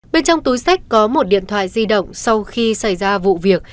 bên trong túi sách có một điện thoại di động sau khi xảy ra vụ việc